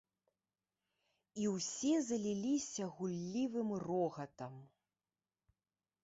І ўсе заліліся гуллівым рогатам.